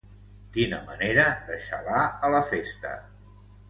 Quina manera de xalar a la festa.